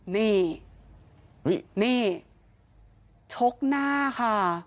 นี่นี่ชกหน้าค่ะ